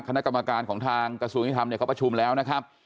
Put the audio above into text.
คณะกรรมการของทางกระทรูนิธรรมเขาประชุมแล้วนะครับ